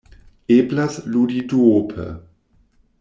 Eblas ludi duope.